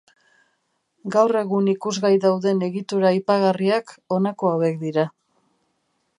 Gaur egun ikusgai dauden egitura aipagarriak honako hauek dira.